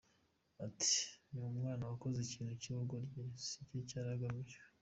Ati″Ni umwana wakoze ikintu cy’ubugoryi, si cyo yari agamije.